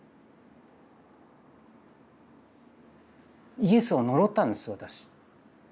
イエスを呪ったんです私。